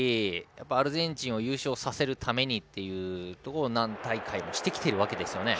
アルゼンチンを優勝させるためにということを何大会もしてきているわけですよね。